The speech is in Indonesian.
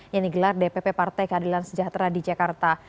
yang digelar dpp partai keadilan sejahtera di jakarta